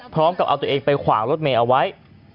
พร้อมกับเอาตัวเองไปขวางรถเมย์เอาไว้